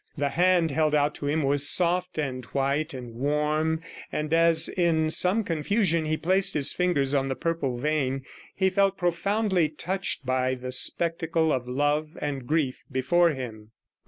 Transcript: The hand held out to him was soft and white and warm, and as, in some confusion, he placed his fingers on the purple vein, he felt profoundly touched by the spectacle of love and grief before him.